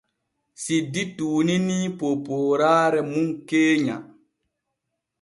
Siddi tuuninii poopooraare mum keenya.